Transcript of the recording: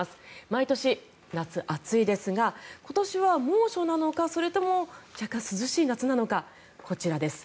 毎年、夏、暑いですが今年は猛暑なのかそれとも若干涼しい夏なのかこちらです。